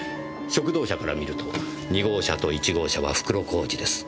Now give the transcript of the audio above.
食堂車から見ると２号車と１号車は袋小路です。